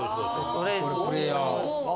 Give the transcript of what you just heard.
これプレーヤー。